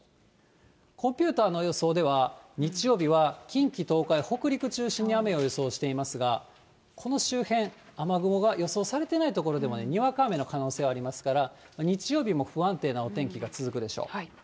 コンピューターの予想では、日曜日は近畿、東海、北陸中心に雨を予想していますが、この周辺、雨雲が予想されてない所でもにわか雨の可能性がありますから、日曜日も不安定なお天気が続くでしょう。